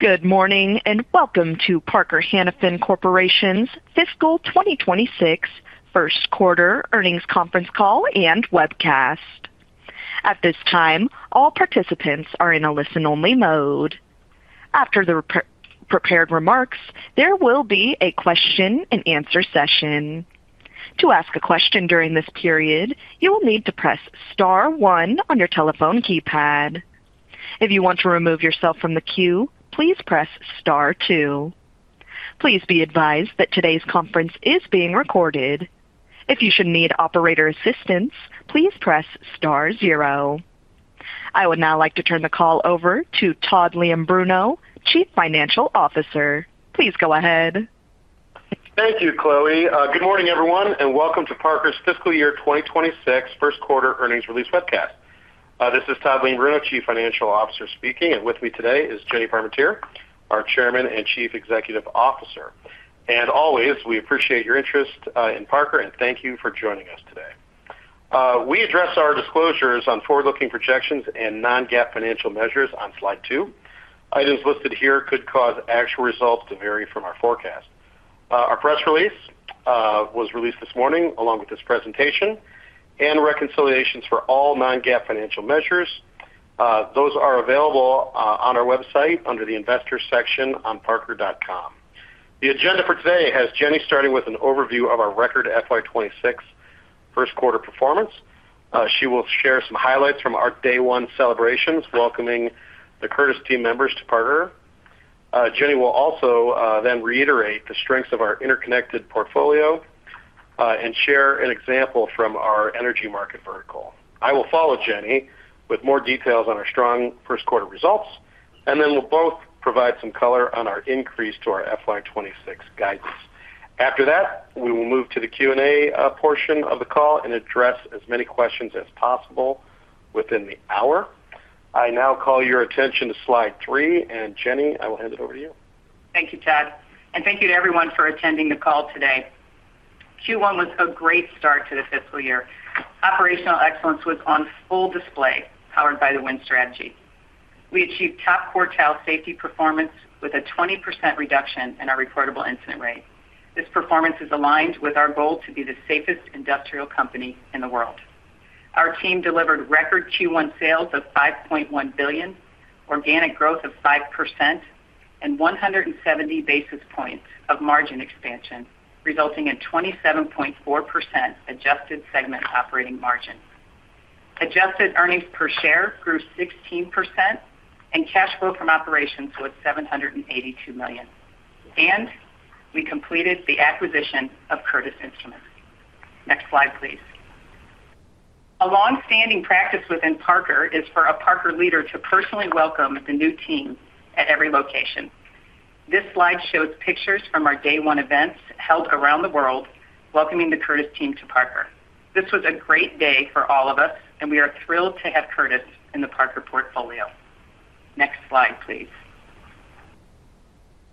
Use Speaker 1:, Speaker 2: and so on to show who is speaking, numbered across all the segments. Speaker 1: Good morning and welcome to Parker-Hannifin Corporation's Fiscal 2026 First Quarter Earnings Conference Call and Webcast. At this time, all participants are in a listen-only mode. After the prepared remarks, there will be a question-and-answer session. To ask a question during this period, you will need to press Star 1 on your telephone keypad. If you want to remove yourself from the queue, please press Star 2. Please be advised that today's conference is being recorded. If you should need operator assistance, please press star 0. I would now like to turn the call over to Todd Leombruno, Chief Financial Officer. Please go ahead.
Speaker 2: Thank you, Chloe. Good morning, everyone, and welcome to Parker's Fiscal Year 2026 First Quarter Earnings Release Webcast. This is Todd Leombruno, Chief Financial Officer speaking, and with me today is Jenny Parmentier, our Chairman and Chief Executive Officer. As always, we appreciate your interest in Parker, and thank you for joining us today. We address our disclosures on forward-looking projections and non-GAAP financial measures on Slide 2. Items listed here could cause actual results to vary from our forecast. Our press release was released this morning along with this presentation and reconciliations for all non-GAAP financial measures. Those are available on our website under the Investor Section on parker.com. The agenda for today has Jenny starting with an overview of our record FY26 First Quarter performance. She will share some highlights from our Day One Celebrations, welcoming the Curtis team members to Parker. Jenny will also then reiterate the strengths of our interconnected portfolio and share an example from our energy market vertical. I will follow Jenny with more details on our strong first quarter results, and then we'll both provide some color on our increase to our FY26 guidance. After that, we will move to the Q&A portion of the call and address as many questions as possible within the hour. I now call your attention to Slide 3, and Jenny, I will hand it over to you.
Speaker 3: Thank you, Todd, and thank you to everyone for attending the call today. Q1 was a great start to the fiscal year. Operational excellence was on full display, powered by the Win Strategy. We achieved top quartile safety performance with a 20% reduction in our recordable incident rate. This performance is aligned with our goal to be the safest industrial company in the world. Our team delivered record Q1 sales of $5.1 billion, organic growth of 5%, and 170 basis points of margin expansion, resulting in 27.4% adjusted segment operating margin. Adjusted earnings per share grew 16%, and cash flow from operations was $782 million. We completed the acquisition of Curtis Instruments. Next slide, please. A longstanding practice within Parker is for a Parker leader to personally welcome the new team at every location. This slide shows pictures from our day one events held around the world, welcoming the Curtis team to Parker. This was a great day for all of us, and we are thrilled to have Curtis in the Parker portfolio. Next slide, please.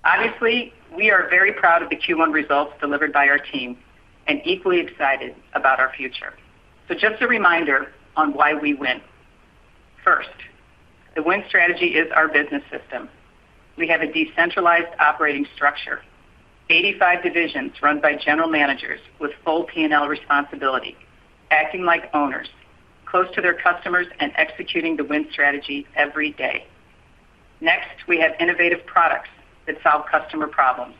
Speaker 3: Obviously, we are very proud of the Q1 results delivered by our team and equally excited about our future. Just a reminder on why we win. First, the Win Strategy is our business system. We have a decentralized operating structure, 85 divisions run by general managers with full P&L responsibility, acting like owners, close to their customers, and executing the Win Strategy every day. Next, we have innovative products that solve customer problems,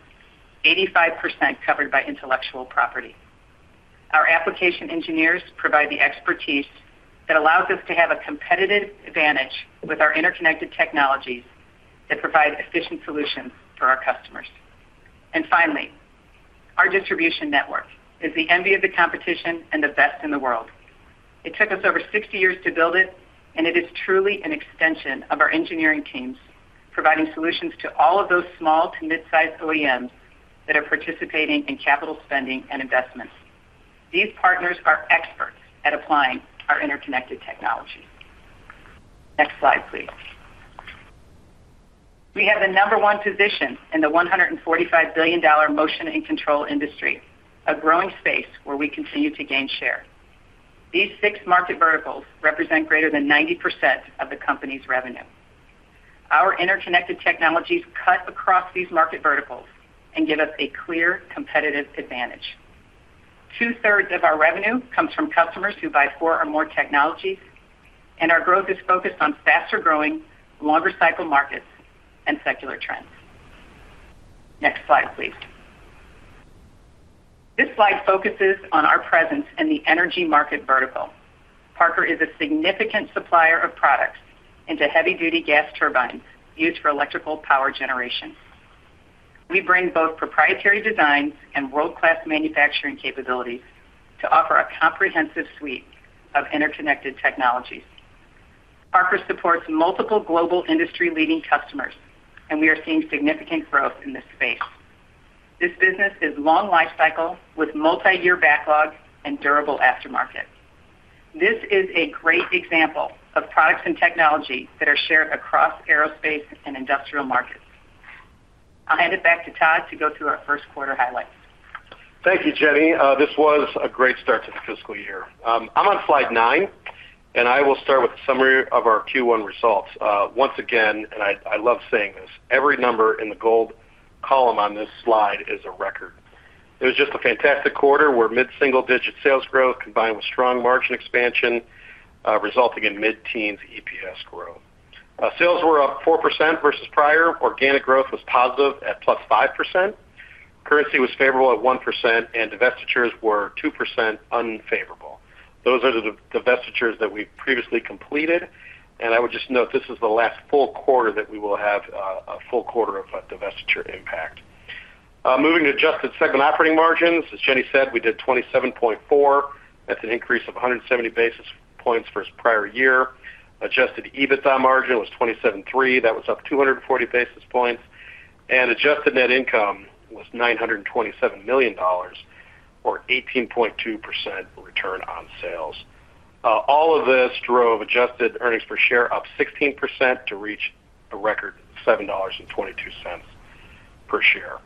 Speaker 3: 85% covered by intellectual property. Our application engineers provide the expertise that allows us to have a competitive advantage with our interconnected technologies that provide efficient solutions for our customers. Our distribution network is the envy of the competition and the best in the world. It took us over 60 years to build it, and it is truly an extension of our engineering teams, providing solutions to all of those small to mid-sized OEMs that are participating in capital spending and investments. These partners are experts at applying our interconnected technologies. Next slide, please. We have the number one position in the $145 billion motion and control industry, a growing space where we continue to gain share. These six market verticals represent greater than 90% of the company's revenue. Our interconnected technologies cut across these market verticals and give us a clear competitive advantage. Two-thirds of our revenue comes from customers who buy four or more technologies, and our growth is focused on faster-growing, longer-cycle markets and secular trends. Next slide, please. This slide focuses on our presence in the energy market vertical. Parker is a significant supplier of products into heavy-duty gas turbines used for electrical power generation. We bring both proprietary designs and world-class manufacturing capabilities to offer a comprehensive suite of interconnected technologies. Parker supports multiple global industry-leading customers, and we are seeing significant growth in this space. This business is long lifecycle with multi-year backlog and durable aftermarket. This is a great example of products and technology that are shared across aerospace and industrial markets. I'll hand it back to Todd to go through our first quarter highlights.
Speaker 2: Thank you, Jenny. This was a great start to the fiscal year. I'm on Slide 9, and I will start with a summary of our Q1 results. Once again, and I love saying this, every number in the gold column on this slide is a record. It was just a fantastic quarter where mid-single-digit sales growth combined with strong margin expansion resulting in mid-teens EPS growth. Sales were up 4% versus prior. Organic growth was positive at plus 5%. Currency was favorable at 1%, and divestitures were 2% unfavorable. Those are the divestitures that we previously completed. I would just note this is the last full quarter that we will have a full quarter of divestiture impact. Moving to adjusted segment operating margins, as Jenny said, we did 27.4. That's an increase of 170 basis points versus prior year. Adjusted EBITDA margin was 27.3. That was up 240 basis points. Adjusted net income was $927 million, or 18.2% return on sales. All of this drove adjusted earnings per share up 16% to reach a record of $7.22 per share.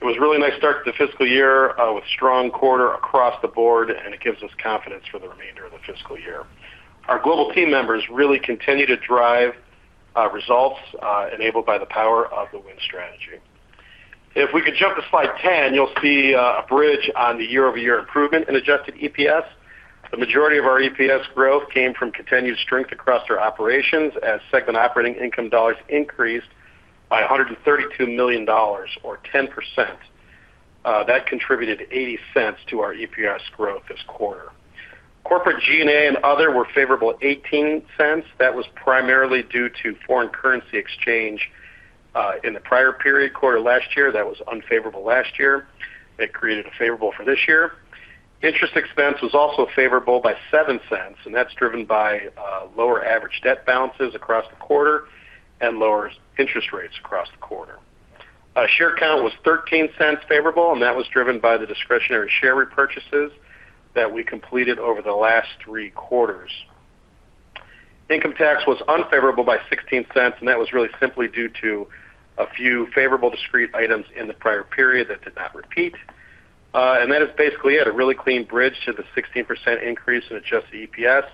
Speaker 2: It was a really nice start to the fiscal year with a strong quarter across the board, and it gives us confidence for the remainder of the fiscal year. Our global team members really continue to drive results enabled by the power of the Win Strategy. If we could jump to Slide 10, you'll see a bridge on the year-over-year improvement in adjusted EPS. The majority of our EPS growth came from continued strength across our operations as segment operating income dollars increased by $132 million, or 10%. That contributed $0.80 to our EPS growth this quarter. Corporate G&A and other were favorable $0.18. That was primarily due to foreign currency exchange. In the prior period quarter last year. That was unfavorable last year. It created a favorable for this year. Interest expense was also favorable by $0.07, and that's driven by lower average debt balances across the quarter and lower interest rates across the quarter. Share count was $0.13 favorable, and that was driven by the discretionary share repurchases that we completed over the last three quarters. Income tax was unfavorable by $0.16, and that was really simply due to a few favorable discrete items in the prior period that did not repeat. That is basically it, a really clean bridge to the 16% increase in adjusted EPS.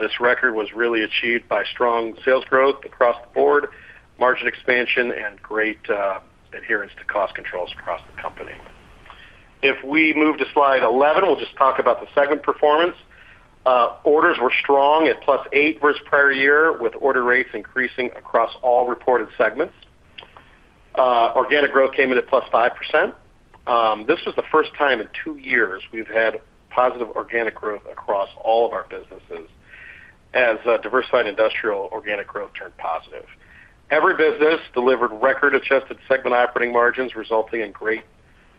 Speaker 2: This record was really achieved by strong sales growth across the board, margin expansion, and great adherence to cost controls across the company. If we move to Slide 11, we'll just talk about the segment performance. Orders were strong at plus 8% versus prior year, with order rates increasing across all reported segments. Organic growth came in at plus 5%. This was the first time in two years we've had positive organic growth across all of our businesses. As diversified industrial organic growth turned positive. Every business delivered record-adjusted segment operating margins, resulting in great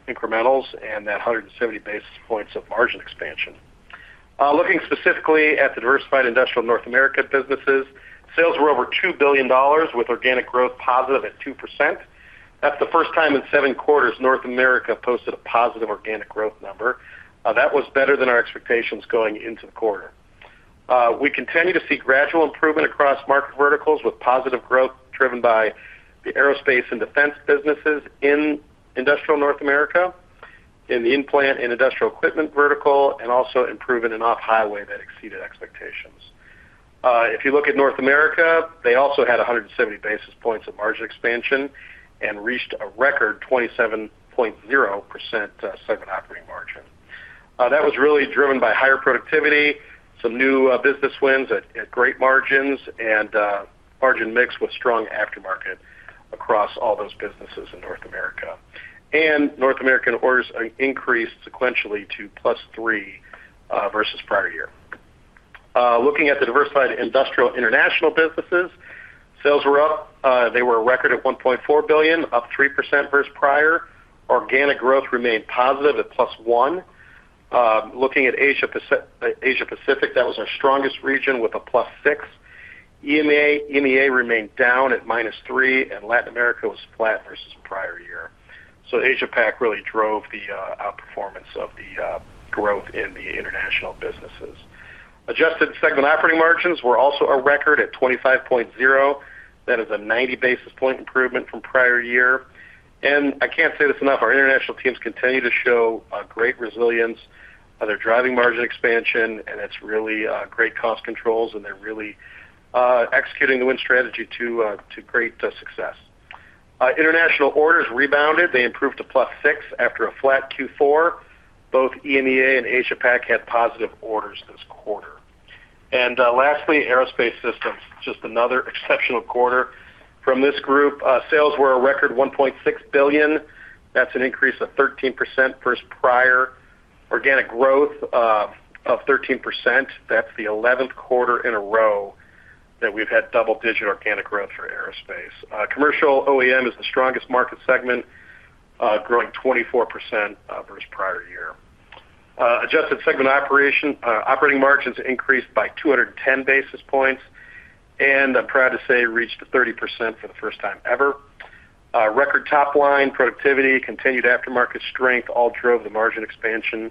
Speaker 2: incrementals and that 170 basis points of margin expansion. Looking specifically at the diversified industrial North America businesses, sales were over $2 billion, with organic growth positive at 2%. That's the first time in seven quarters North America posted a positive organic growth number. That was better than our expectations going into the quarter. We continue to see gradual improvement across market verticals, with positive growth driven by the aerospace and defense businesses in industrial North America, in the implant and industrial equipment vertical, and also improvement in off-highway that exceeded expectations. If you look at North America, they also had 170 basis points of margin expansion and reached a record 27.0% segment operating margin. That was really driven by higher productivity, some new business wins at great margins, and margin mix with strong aftermarket across all those businesses in North America. North American orders increased sequentially to plus 3 versus prior year. Looking at the diversified industrial international businesses, sales were up. They were a record at $1.4 billion, up 3% versus prior. Organic growth remained positive at plus 1. Looking at Asia-Pacific, that was our strongest region with a plus 6. EMEA remained down at minus 3%, and Latin America was flat versus prior year. Asia-Pac really drove the outperformance of the growth in the international businesses. Adjusted segment operating margins were also a record at 25.0%. That is a 90 basis point improvement from prior year. I can't say this enough, our international teams continue to show great resilience as they're driving margin expansion, and it's really great cost controls, and they're really executing the Win Strategy to great success. International orders rebounded. They improved to plus 6% after a flat Q4. Both EMEA and Asia-Pac had positive orders this quarter. Lastly, aerospace systems, just another exceptional quarter. From this group, sales were a record $1.6 billion. That's an increase of 13% versus prior. Organic growth of 13%. That's the 11th quarter in a row that we've had double-digit organic growth for aerospace. Commercial OEM is the strongest market segment. Growing 24% versus prior year. Adjusted segment operating margins increased by 210 basis points. I'm proud to say reached 30% for the first time ever. Record top-line productivity, continued aftermarket strength, all drove the margin expansion.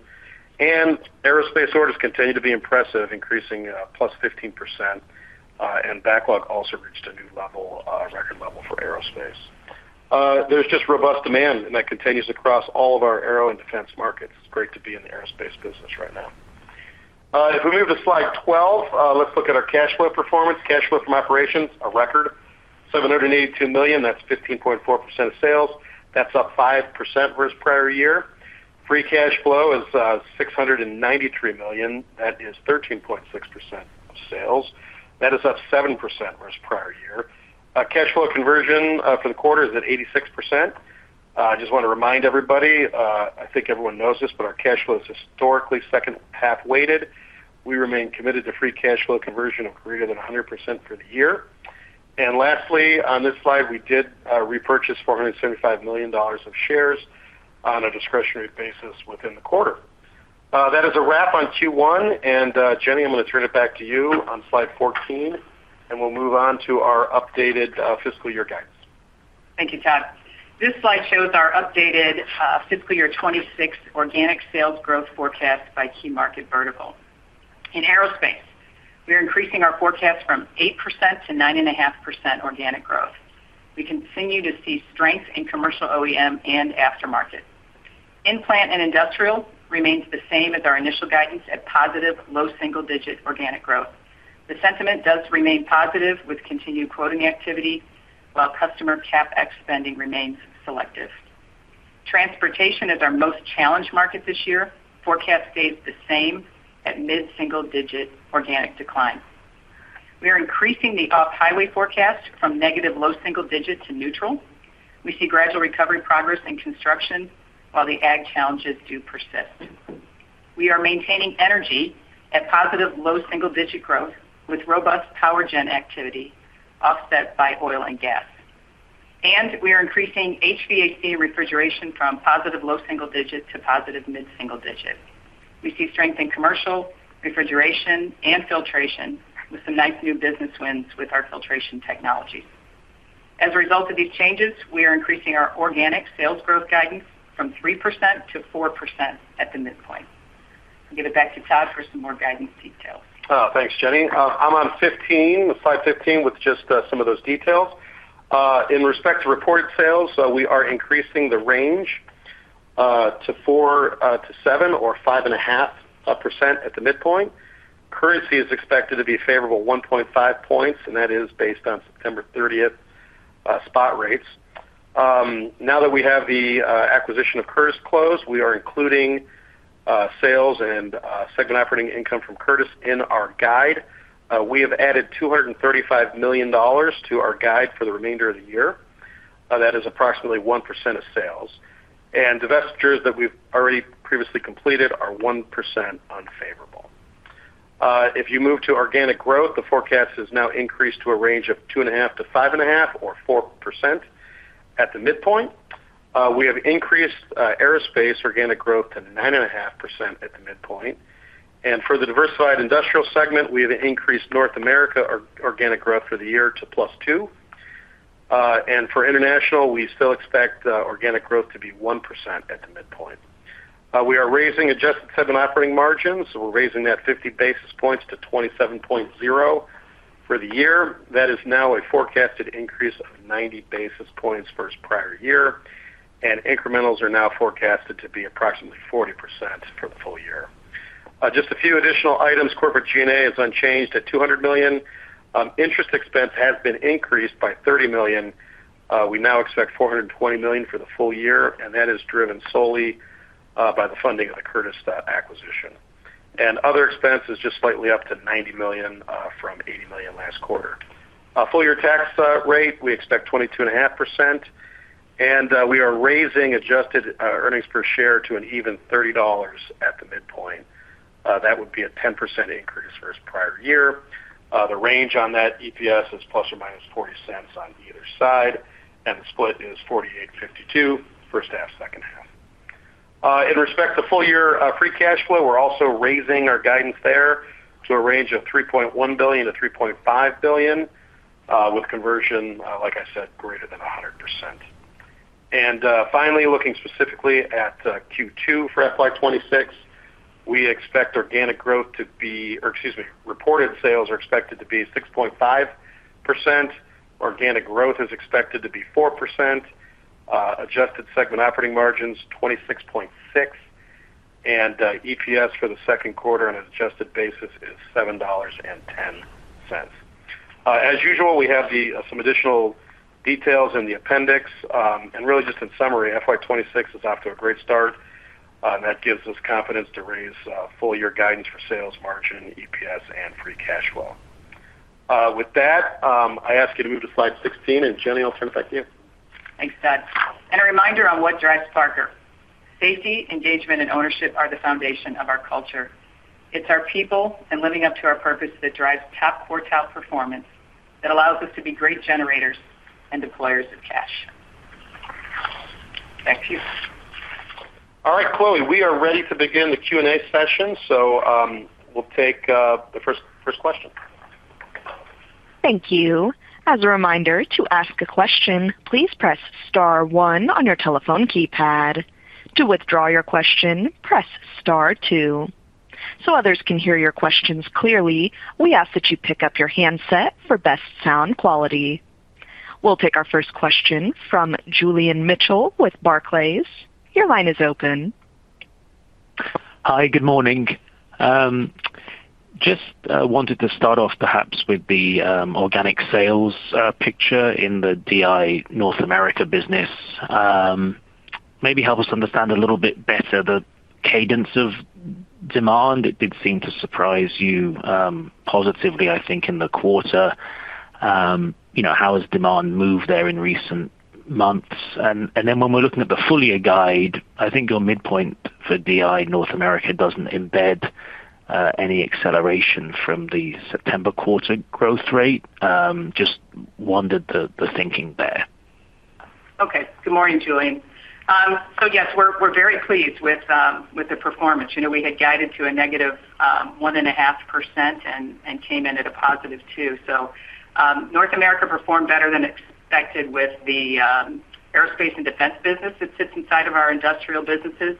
Speaker 2: Aerospace orders continue to be impressive, increasing plus 15%. Backlog also reached a new record level for aerospace. There is just robust demand, and that continues across all of our aero and defense markets. It's great to be in the aerospace business right now. If we move to Slide 12, let's look at our cash flow performance. Cash flow from operations, a record, $782 million. That's 15.4% of sales. That's up 5% versus prior year. Free cash flow is $693 million. That is 13.6% of sales. That is up 7% versus prior year. Cash flow conversion for the quarter is at 86%. I just want to remind everybody, I think everyone knows this, but our cash flow is historically second-half weighted. We remain committed to free cash flow conversion of greater than 100% for the year. Lastly, on this slide, we did repurchase $475 million of shares on a discretionary basis within the quarter. That is a wrap on Q1. Jenny, I'm going to turn it back to you on Slide 14, and we'll move on to our updated fiscal year guidance.
Speaker 3: Thank you, Todd. This slide shows our updated fiscal year 2026 organic sales growth forecast by key market vertical. In aerospace, we're increasing our forecast from 8% to 9.5% organic growth. We continue to see strength in commercial OEM and aftermarket. Implant and industrial remains the same as our initial guidance at positive low single-digit organic growth. The sentiment does remain positive with continued quoting activity, while customer CapEx spending remains selective. Transportation is our most challenged market this year. Forecast stays the same at mid-single-digit organic decline. We are increasing the off-highway forecast from negative low single digit to neutral. We see gradual recovery progress in construction, while the ag challenges do persist. We are maintaining energy at positive low single-digit growth with robust power gen activity offset by oil and gas. We are increasing HVAC and refrigeration from positive low single digit to positive mid-single digit. We see strength in commercial, refrigeration, and filtration with some nice new business wins with our filtration technologies. As a result of these changes, we are increasing our organic sales growth guidance from 3% to 4% at the midpoint. I'll give it back to Todd for some more guidance details.
Speaker 2: Thanks, Jenny. I'm on Slide 15 with just some of those details. In respect to reported sales, we are increasing the range to 7% or 5.5% at the midpoint. Currency is expected to be favorable 1.5 points, and that is based on September 30th spot rates. Now that we have the acquisition of Curtis closed, we are including sales and segment operating income from Curtis in our guide. We have added $235 million to our guide for the remainder of the year. That is approximately 1% of sales. And divestitures that we've already previously completed are 1% unfavorable. If you move to organic growth, the forecast has now increased to a range of 2.5-5.5% or 4% at the midpoint. We have increased aerospace organic growth to 9.5% at the midpoint. For the diversified industrial segment, we have increased North America organic growth for the year to +2%. For international, we still expect organic growth to be 1% at the midpoint. We are raising adjusted segment operating margins. We are raising that 50 basis points to 27.0% for the year. That is now a forecasted increase of 90 basis points versus prior year. Incrementals are now forecasted to be approximately 40% for the full year. Just a few additional items. Corporate G&A is unchanged at $200 million. Interest expense has been increased by $30 million. We now expect $420 million for the full year, and that is driven solely by the funding of the Curtis acquisition. Other expenses are just slightly up to $90 million from $80 million last quarter. Full year tax rate, we expect 22.5%. We are raising adjusted earnings per share to an even $30 at the midpoint. That would be a 10% increase versus prior year. The range on that EPS is plus or minus $0.40 on either side. The split is 48-52 for staff second half. In respect to full year free cash flow, we are also raising our guidance there to a range of $3.1 billion-$3.5 billion with conversion, like I said, greater than 100%. Finally, looking specifically at Q2 for FY2026, we expect organic growth to be—excuse me—reported sales are expected to be 6.5%. Organic growth is expected to be 4%. Adjusted segment operating margins, 26.6. EPS for the second quarter on an adjusted basis is $7.10. As usual, we have some additional details in the appendix. Really, just in summary, FY2026 is off to a great start that gives us confidence to raise full year guidance for sales margin, EPS, and free cash flow. With that, I ask you to move to Slide 16. Jenny, I'll turn it back to you.
Speaker 3: Thanks, Todd. A reminder on what drives Parker. Safety, engagement, and ownership are the foundation of our culture. It's our people and living up to our purpose that drives top quartile performance that allows us to be great generators and deployers of cash.
Speaker 2: Thank you. All right, Chloe, we are ready to begin the Q&A session. We will take the first question.
Speaker 1: Thank you. As a reminder, to ask a question, please press star 1 on your telephone keypad. To withdraw your question, press star 2. So others can hear your questions clearly, we ask that you pick up your handset for best sound quality. We'll take our first question from Julian Mitchell with Barclays. Your line is open.
Speaker 4: Hi, good morning. Just wanted to start off perhaps with the organic sales picture in the DI North America business. Maybe help us understand a little bit better the cadence of demand. It did seem to surprise you positively, I think, in the quarter. How has demand moved there in recent months? When we're looking at the full year guide, I think your midpoint for DI North America does not embed any acceleration from the September quarter growth rate. Just wondered the thinking there.
Speaker 3: Okay. Good morning, Julian. Yes, we're very pleased with the performance. We had guided to a negative 1.5% and came in at a positive 2%. North America performed better than expected with the aerospace and defense business that sits inside of our industrial businesses.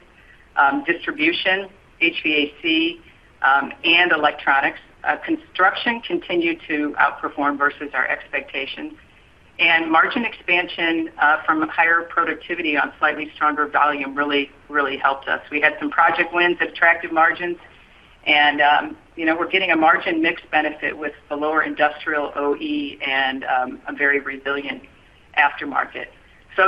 Speaker 3: Distribution, HVAC, and electronics. Construction continued to outperform versus our expectations. Margin expansion from higher productivity on slightly stronger volume really helped us. We had some project wins at attractive margins, and we're getting a margin mix benefit with the lower industrial OEM and a very resilient aftermarket.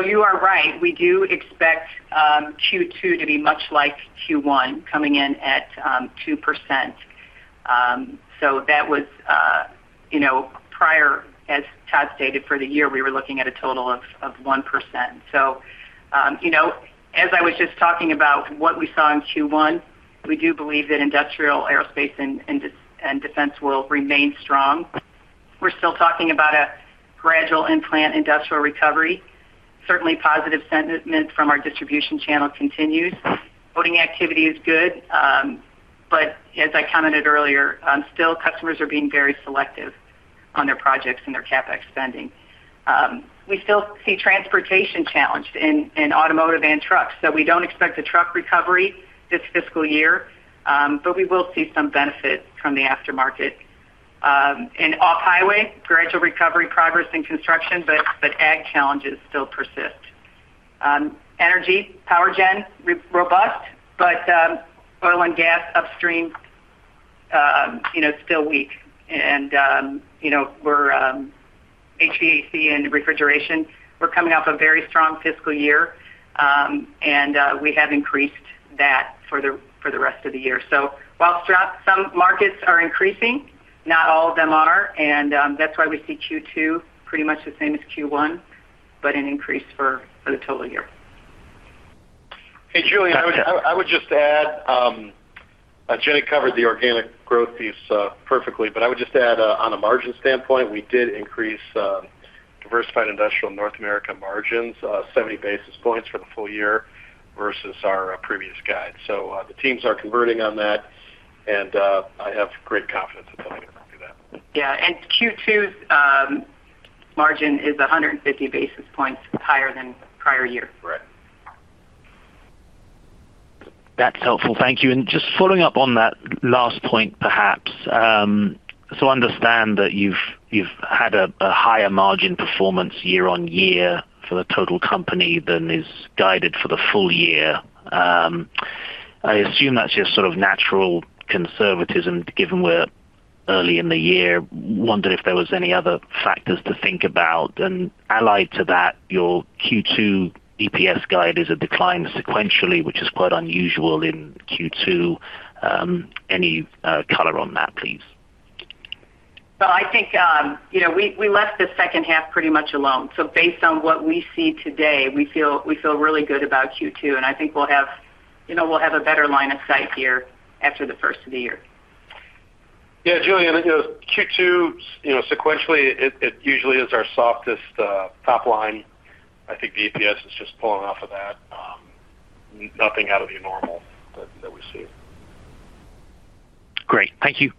Speaker 3: You are right. We do expect Q2 to be much like Q1, coming in at 2%. That was prior, as Todd stated, for the year, we were looking at a total of 1%. As I was just talking about what we saw in Q1, we do believe that industrial aerospace and defense will remain strong. We're still talking about a gradual implant industrial recovery. Certainly, positive sentiment from our distribution channel continues. Voting activity is good. As I commented earlier, still, customers are being very selective on their projects and their CapEx spending. We still see transportation challenged in automotive and trucks. We do not expect a truck recovery this fiscal year, but we will see some benefit from the aftermarket. In off-highway, gradual recovery progress in construction, but ag challenges still persist. Energy, power gen, robust, but oil and gas upstream still weak. HVAC and refrigeration, we're coming off a very strong fiscal year, and we have increased that for the rest of the year. While some markets are increasing, not all of them are that's why we see Q2 pretty much the same as Q1, but an increase for the total year.
Speaker 2: Hey, Julian, I would just add. Jenny covered the organic growth piece perfectly, but I would just add, on a margin standpoint, we did increase. Diversified industrial North America margins, 70 basis points for the full year versus our previous guide. The teams are converting on that. I have great confidence that they're going to do that.
Speaker 3: Yeah. Q2's margin is 150 basis points higher than prior year.
Speaker 2: Right.
Speaker 4: That's helpful. Thank you. Just following up on that last point, perhaps. I understand that you've had a higher margin performance year on year for the total company than is guided for the full year. I assume that's just sort of natural conservatism, given we're early in the year. Wondered if there were any other factors to think about. Allied to that, your Q2 EPS guide is a decline sequentially, which is quite unusual in Q2. Any color on that, please?
Speaker 3: I think we left the second half pretty much alone. Based on what we see today, we feel really good about Q2. I think we'll have a better line of sight here after the first of the year.
Speaker 2: Yeah, Julian, Q2 sequentially, it usually is our softest top line. I think the EPS is just pulling off of that. Nothing out of the normal that we see.
Speaker 4: Great. Thank you.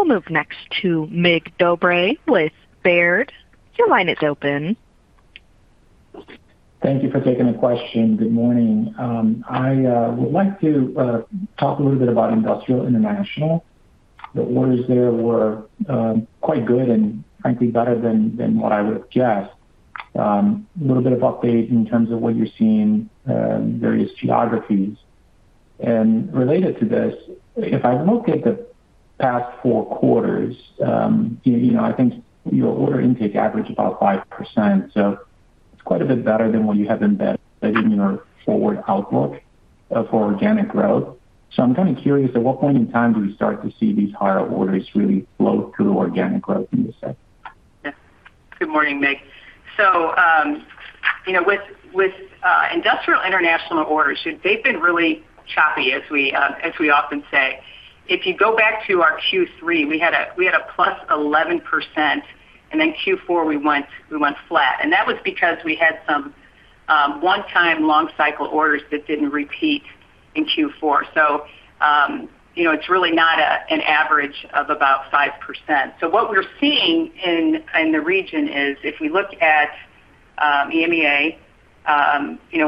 Speaker 2: Thanks.
Speaker 1: We'll move next to Mick Dobre with Baird. Your line is open.
Speaker 5: Thank you for taking the question. Good morning. I would like to talk a little bit about industrial international. The orders there were quite good and, frankly, better than what I would have guessed. A little bit of update in terms of what you're seeing in various geographies. Related to this, if I look at the past four quarters, I think your order intake averaged about 5%. It is quite a bit better than what you have embedded in your forward outlook for organic growth. I am kind of curious, at what point in time do we start to see these higher orders really flow through organic growth in this sector?
Speaker 3: Good morning, Mick. With industrial international orders, they've been really choppy, as we often say. If you go back to our Q3, we had a plus 11%. Then Q4, we went flat. That was because we had some one-time long-cycle orders that didn't repeat in Q4. It's really not an average of about 5%. What we're seeing in the region is, if we look at EMEA,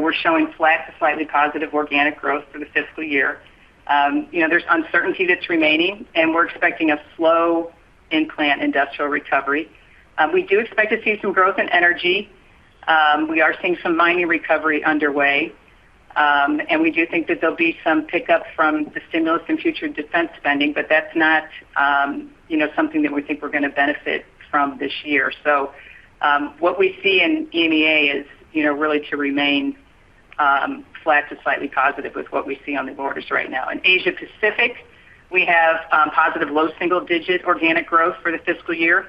Speaker 3: we're showing flat to slightly positive organic growth for the fiscal year. There's uncertainty that's remaining, and we're expecting a slow implant industrial recovery. We do expect to see some growth in energy. We are seeing some mining recovery underway. We do think that there'll be some pickup from the stimulus in future defense spending, but that's not something that we think we're going to benefit from this year. What we see in EMEA is really to remain flat to slightly positive with what we see on the orders right now. In Asia-Pacific, we have positive low single-digit organic growth for the fiscal year.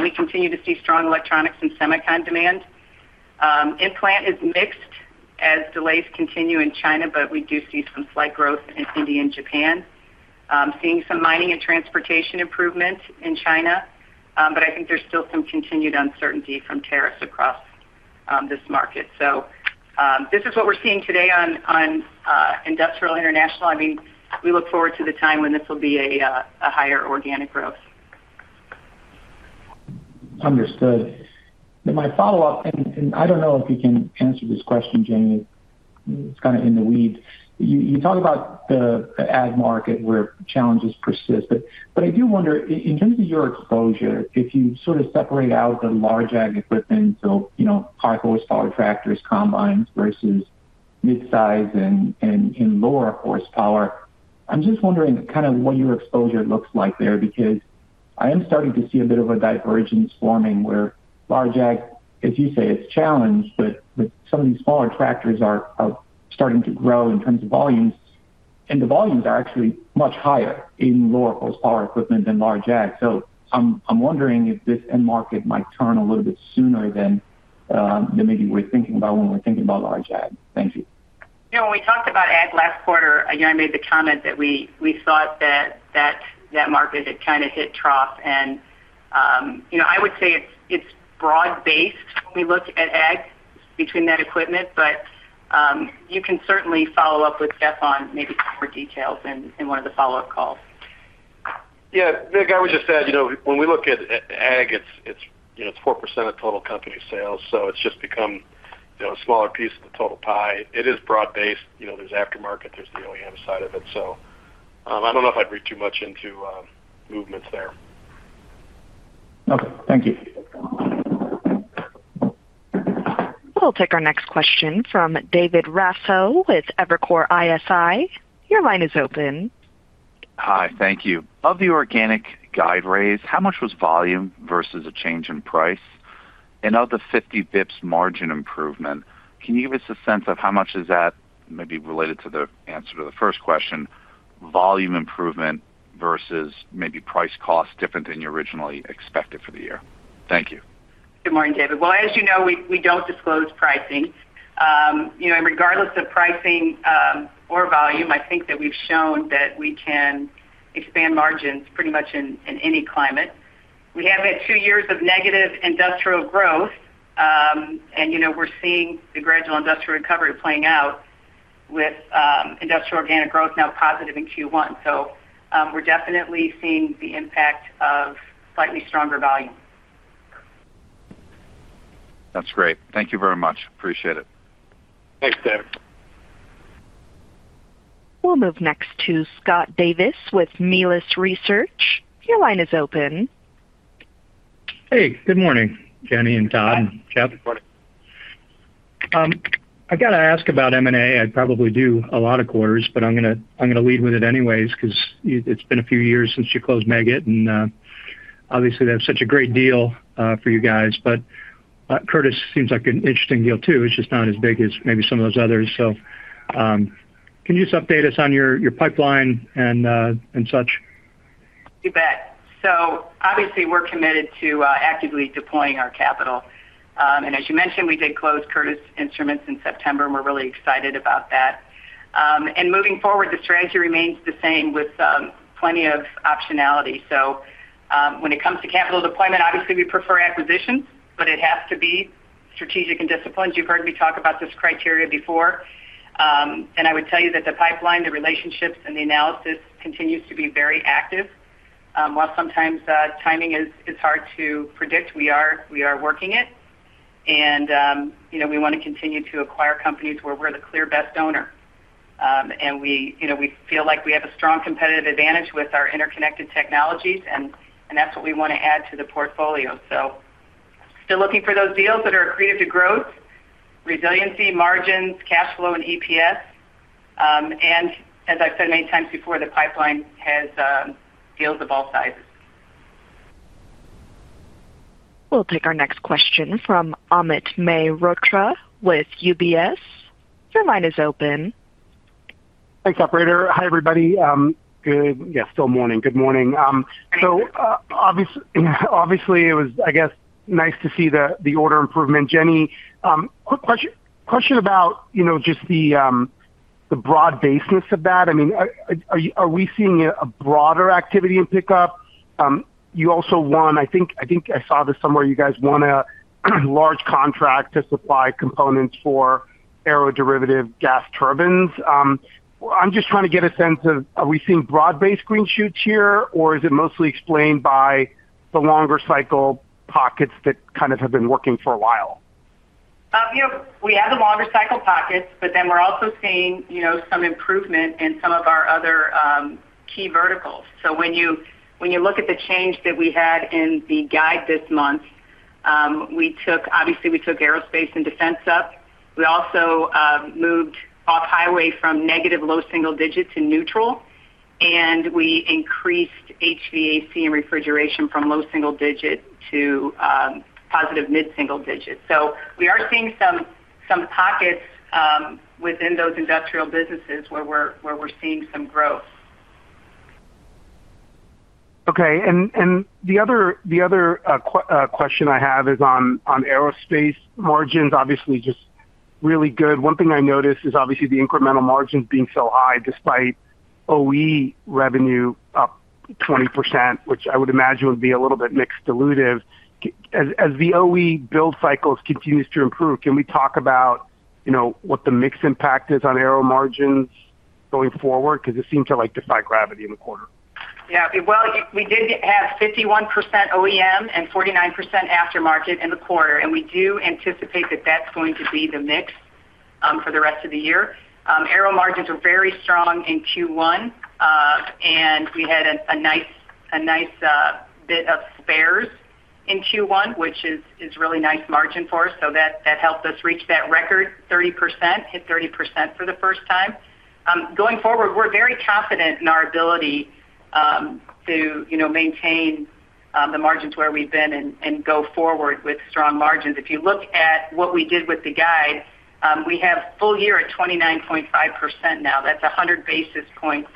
Speaker 3: We continue to see strong electronics and semiconductor demand. Implant is mixed as delays continue in China, but we do see some slight growth in India and Japan. Seeing some mining and transportation improvement in China. I think there is still some continued uncertainty from tariffs across this market. This is what we are seeing today on industrial international. I mean, we look forward to the time when this will be a higher organic growth.
Speaker 5: Understood. My follow-up, and I do not know if you can answer this question, Jenny. It is kind of in the weeds. You talk about the ag market where challenges persist. I do wonder, in terms of your exposure, if you sort of separate out the large ag equipment, so high horsepower tractors, combines versus midsize and lower horsepower, I am just wondering kind of what your exposure looks like there because I am starting to see a bit of a divergence forming where large ag, as you say, it is challenged, but some of these smaller tractors are starting to grow in terms of volumes. The volumes are actually much higher in lower horsepower equipment than large ag. I am wondering if this end market might turn a little bit sooner than maybe we are thinking about when we are thinking about large AG. Thank you.
Speaker 3: Yeah. When we talked about AG last quarter, I made the comment that we thought that market had kind of hit trough. I would say it's broad-based when we look at ag between that equipment. You can certainly follow up with Jeff on maybe some more details in one of the follow-up calls.
Speaker 2: Yeah. I would just add, when we look at AG, it's 4% of total company sales. So it's just become a smaller piece of the total pie. It is broad-based. There's aftermarket. There's the OEM side of it. I don't know if I'd read too much into movements there.
Speaker 5: Okay. Thank you.
Speaker 1: We'll take our next question from David Raso with Evercore ISI. Your line is open.
Speaker 6: Hi. Thank you. Of the organic guide raise, how much was volume versus a change in price? Of the 50 basis points margin improvement, can you give us a sense of how much is that maybe related to the answer to the first question, volume improvement versus maybe price cost different than you originally expected for the year? Thank you.
Speaker 3: Good morning, David. As you know, we do not disclose pricing. Regardless of pricing or volume, I think that we have shown that we can expand margins pretty much in any climate. We have had two years of negative industrial growth. We are seeing the gradual industrial recovery playing out. Industrial organic growth is now positive in Q1. We are definitely seeing the impact of slightly stronger volume.
Speaker 6: That's great. Thank you very much. Appreciate it.
Speaker 2: Thanks, David.
Speaker 1: We'll move next to Scott Davis with Melius Research. Your line is open.
Speaker 7: Hey. Good morning, Jenny and Todd and Jeff.
Speaker 2: Good morning.
Speaker 7: I've got to ask about M&A. I probably do a lot of quarters, but I'm going to lead with it anyways because it's been a few years since you closed Meggitt and. Obviously, they have such a great deal for you guys. Curtis seems like an interesting deal too. It's just not as big as maybe some of those others. Can you just update us on your pipeline and such?
Speaker 3: You bet. Obviously, we're committed to actively deploying our capital. As you mentioned, we did close Curtis Instruments in September, and we're really excited about that. Moving forward, the strategy remains the same with plenty of optionality. When it comes to capital deployment, obviously, we prefer acquisitions, but it has to be strategic and disciplined. You've heard me talk about this criteria before. I would tell you that the pipeline, the relationships, and the analysis continues to be very active. While sometimes timing is hard to predict, we are working it. We want to continue to acquire companies where we're the clear best owner. We feel like we have a strong competitive advantage with our interconnected technologies, and that's what we want to add to the portfolio. Still looking for those deals that are accretive to growth, resiliency, margins, cash flow, and EPS. As I've said many times before, the pipeline has deals of all sizes.
Speaker 1: We'll take our next question from Amit Mehrotra with UBS. Your line is open.
Speaker 8: Thanks operator. Hi, everybody. Yeah, still morning. Good morning. Obviously, it was, I guess, nice to see the order improvement. Jenny, quick question about just the broad baseness of that. I mean, are we seeing a broader activity in pickup? You also want, I think I saw this somewhere, you guys won a large contract to supply components for Aero-Derivative Gas Turbines. I'm just trying to get a sense of, are we seeing broad-based green shoots here, or is it mostly explained by the longer cycle pockets that kind of have been working for a while?
Speaker 3: We have the longer cycle pockets, but then we're also seeing some improvement in some of our other key verticals. When you look at the change that we had in the guide this month, obviously, we took aerospace and defense up. We also moved off-highway from negative low single digit to neutral, and we increased HVAC and refrigeration from low single digit to positive mid-single digit. We are seeing some pockets within those industrial businesses where we're seeing some growth.
Speaker 8: Okay. The other question I have is on aerospace margins. Obviously, just really good. One thing I noticed is obviously the incremental margins being so high despite OEM revenue up 20%, which I would imagine would be a little bit mixed dilutive. As the OEM build cycles continue to improve, can we talk about what the mixed impact is on aero margins going forward? Because it seems to defy gravity in the quarter.
Speaker 3: Yeah. We did have 51% OEM and 49% aftermarket in the quarter. We do anticipate that that's going to be the mix for the rest of the year. Aero margins were very strong in Q1. We had a nice bit of spares in Q1, which is really nice margin for us. That helped us reach that record, 30%, hit 30% for the first time. Going forward, we're very confident in our ability to maintain the margins where we've been and go forward with strong margins. If you look at what we did with the guide, we have full year at 29.5% now. That's 100 basis points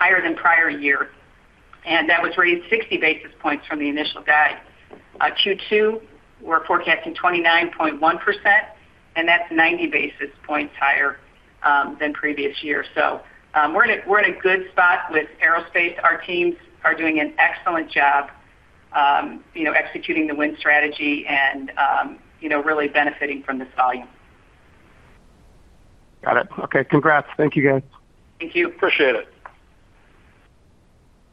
Speaker 3: higher than prior year. That was raised 60 basis points from the initial guide. Q2, we're forecasting 29.1%, and that's 90 basis points higher than previous year. We're in a good spot with aerospace. Our teams are doing an excellent job executing the Win Strategy and really benefiting from this volume.
Speaker 8: Got it. Okay. Congrats. Thank you, guys.
Speaker 3: Thank you.
Speaker 2: Appreciate it.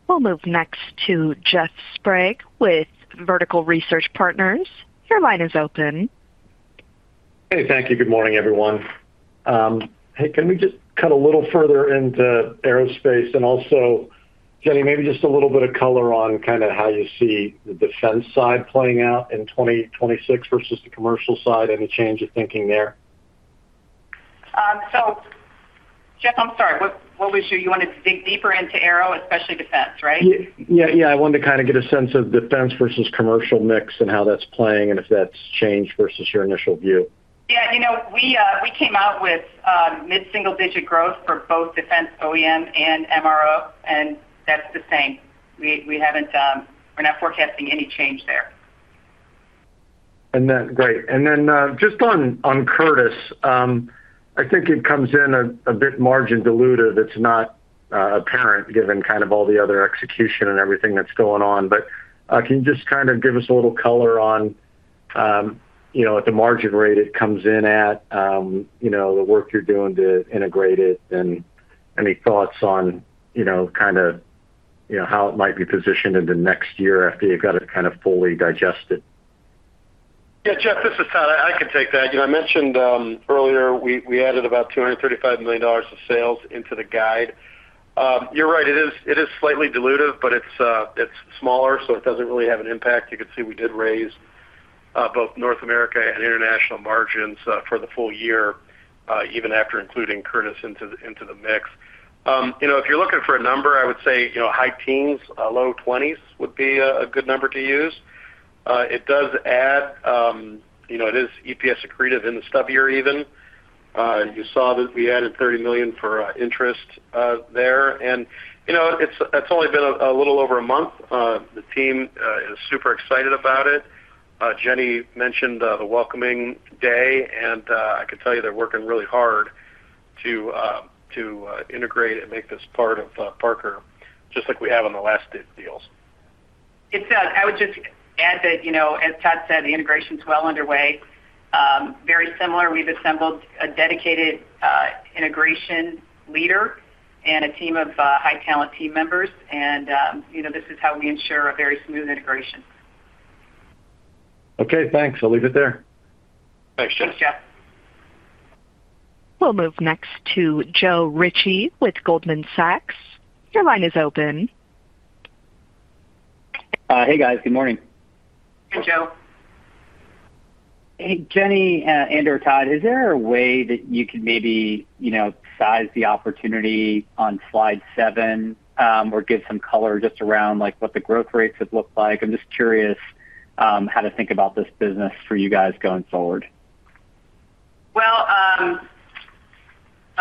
Speaker 1: We'll move next to Jeff Sprague with Vertical Research Partners. Your line is open.
Speaker 9: Hey, thank you. Good morning, everyone. Hey, can we just cut a little further into aerospace? And also, Jenny, maybe just a little bit of color on kind of how you see the defense side playing out in 2026 versus the commercial side, any change of thinking there?
Speaker 3: Jeff, I'm sorry. What was your—you wanted to dig deeper into aero, especially defense, right?
Speaker 9: Yeah. Yeah. I wanted to kind of get a sense of defense versus commercial mix and how that's playing and if that's changed versus your initial view.
Speaker 3: Yeah. We came out with mid-single digit growth for both defense, OEM, and MRO, and that's the same. We're not forecasting any change there.
Speaker 9: Great. And then just on Curtis, I think it comes in a bit margin-dilutive. It's not apparent given kind of all the other execution and everything that's going on. Can you just kind of give us a little color on at the margin rate it comes in at, the work you're doing to integrate it, and any thoughts on kind of how it might be positioned in the next year after you've got it kind of fully digested?
Speaker 2: Yeah. Jeff, this is Todd, I can take that. I mentioned earlier we added about $235 million of sales into the guide. You're right. It is slightly dilutive, but it's smaller, so it doesn't really have an impact. You can see we did raise both North America and international margins for the full year, even after including Curtis into the mix. If you're looking for a number, I would say high teens, low 20s would be a good number to use. It does add. It is EPS accretive in the stub year even. You saw that we added $30 million for interest there. And it's only been a little over a month. The team is super excited about it. Jenny mentioned the welcoming day, and I can tell you they're working really hard to integrate and make this part of Parker just like we have on the last deals.
Speaker 3: I would just add that, as Todd said, the integration is well underway. Very similar. We've assembled a dedicated integration leader and a team of high talent team members. And this is how we ensure a very smooth integration.
Speaker 9: Okay. Thanks. I'll leave it there.
Speaker 2: Thanks, Jeff.
Speaker 3: Thanks, Jeff.
Speaker 1: We'll move next to Joe Ritchie with Goldman Sachs. Your line is open.
Speaker 10: Hey, guys. Good morning.
Speaker 3: Hey, Joe.
Speaker 10: Hey, Jenny and/or Todd. Is there a way that you could maybe size the opportunity on slide seven or give some color just around what the growth rates would look like? I'm just curious how to think about this business for you guys going forward.
Speaker 3: I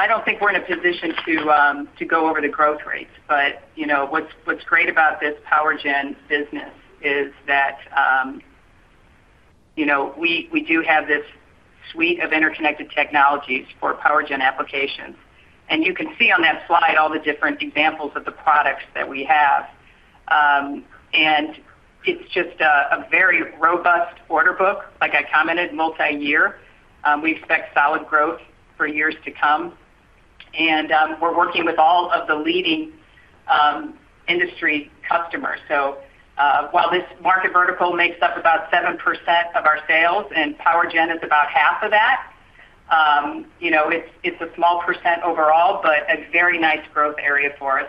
Speaker 3: don't think we're in a position to go over the growth rates. What's great about this PowerGen business is that we do have this suite of interconnected technologies for PowerGen applications. You can see on that slide all the different examples of the products that we have. It's just a very robust order book, like I commented, multi-year. We expect solid growth for years to come. We're working with all of the leading industry customers. While this market vertical makes up about 7% of our sales and PowerGen is about half of that, it's a small percent overall, but a very nice growth area for us.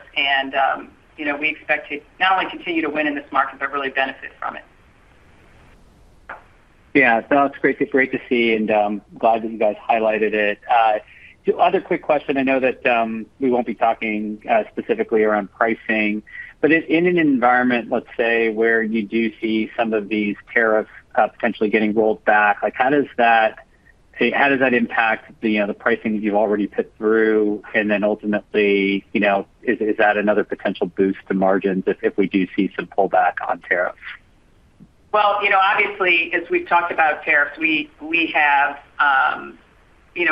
Speaker 3: We expect to not only continue to win in this market, but really benefit from it.
Speaker 10: Yeah. That's great to see. I'm glad that you guys highlighted it. Other quick question. I know that we won't be talking specifically around pricing. In an environment, let's say, where you do see some of these tariffs potentially getting rolled back, how does that impact the pricing that you've already put through? Ultimately, is that another potential boost to margins if we do see some pullback on tariffs?
Speaker 3: As we've talked about tariffs,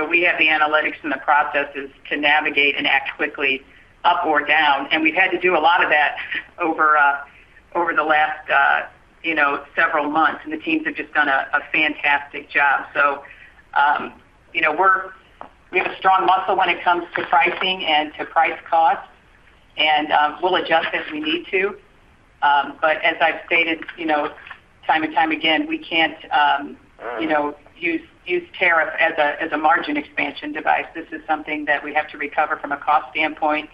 Speaker 3: we have the analytics and the processes to navigate and act quickly up or down. We've had to do a lot of that over the last several months. The teams have just done a fantastic job. We have a strong muscle when it comes to pricing and to price cost, and we'll adjust as we need to. As I've stated time and time again, we can't use tariffs as a margin expansion device. This is something that we have to recover from a cost standpoint.